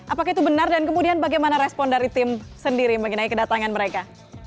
apakah itu benar dan kemudian bagaimana respon dari tim sendiri mengenai kedatangan mereka